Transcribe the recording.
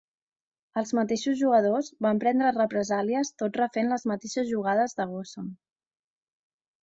Els mateixos jugadors van prendre represàlies tot refent les mateixes jugades de Gosson.